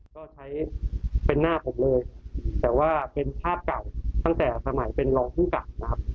ก็ใช้เป็นหน้าผมเลยแต่ว่าเป็นภาพเก่าตั้งแต่สมัยเป็นรองภูมิกับนะครับ